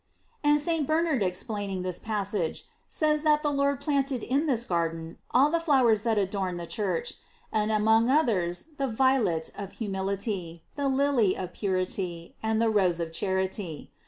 "* And St. Bernard explain ing this passage, says that the Lord planted in this garden all the flowers that adorn the Church, and among others the violet of humility, the lily of purity, and the rose of charity.